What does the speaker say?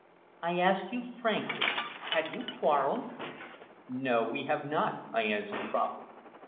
I ask you frankly, have you quarrelled?" "No, we have not," I answered promptly.